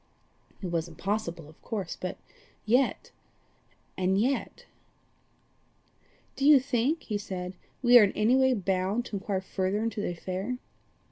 It was impossible of course but yet and yet "Do you think," he said, "we are in any way bound to inquire further into the affair?"